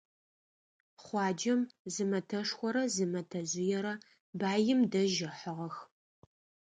Хъуаджэм зы мэтэшхорэ зы мэтэжъыерэ баим дэжь ыхьыгъэх.